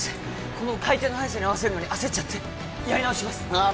この回転の速さに合わせるのに焦っちゃってやり直しますああ